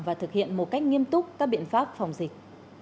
và thực hiện một cách nghiêm túc các biện pháp phòng dịch